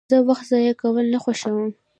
زه وخت ضایع کول نه خوښوم.